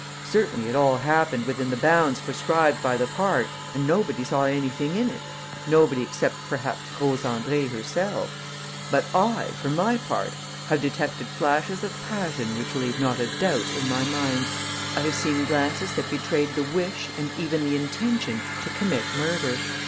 Certainly it all happened within the bounds prescribed by the part and nobody saw anything in it nobody except perhaps Rose Andrée herself but I, for my part, have detected flashes of passion which leave not a doubt in my mind. I have seen glances that betrayed the wish and even the intention to commit murder.